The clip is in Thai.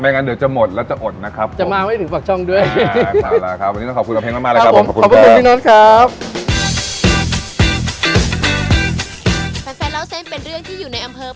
ไม่งั้นเดี๋ยวจะหมดแล้วจะอดนะครับผม